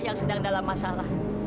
yang sedang dalam masalah